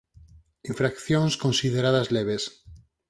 Infraccións consideradas leves.